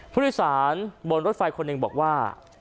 ผู้โดยสารบนรถไฟคนหนึ่งบอกว่า